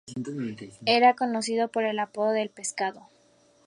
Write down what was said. Era conocido por el apodo del "Pescado".